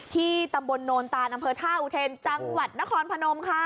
ที่ตำบลโนนตานอำเภอท่าอุเทนจังหวัดนครพนมค่ะ